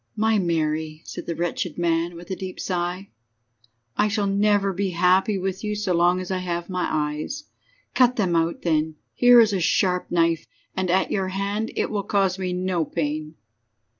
"My Mary," said the wretched man, with a deep sigh. "I shall never be happy with you so long as I have my eyes. Cut them out, then. Here is a sharp knife, and at your hand it will cause me no pain."